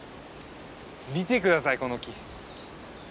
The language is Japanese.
見て下さいこの木。